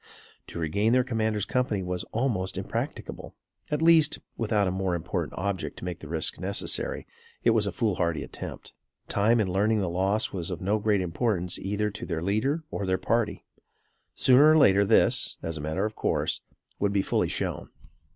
To regain their commander's company was almost impracticable; at least, without a more important object to make the risk necessary, it was a foolhardy attempt. Time in learning the loss was of no great importance either to their leader or their party. Sooner or later this, as a matter of course, would be fully shown.